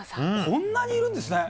こんなにいるんですね